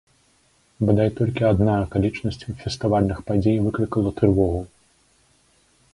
Бадай толькі адна акалічнасць фестывальных падзей выклікала трывогу.